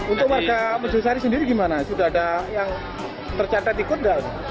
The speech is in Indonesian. untuk warga bojosari sendiri gimana sudah ada yang tercatat ikut nggak